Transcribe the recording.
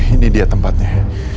ini dia tempatnya